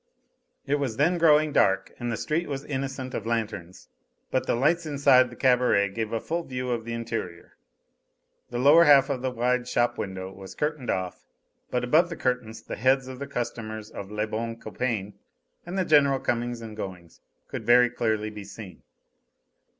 It was then growing dark and the street was innocent of lanterns, but the lights inside the cabaret gave a full view of the interior. The lower half of the wide shop window was curtained off, but above the curtain the heads of the customers of "Le Bon Copain," and the general comings and goings, could very clearly be seen.